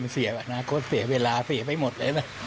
เสียเวลาเสียไปหมดเลยนะ